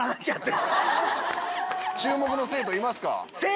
注目の生徒いますか？